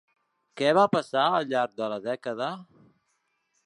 Què va passar al llarg de la dècada?